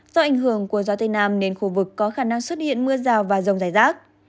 do ảnh hưởng của gió tây nam nên khu vực có khả năng xuất hiện mưa rào và rông rải rác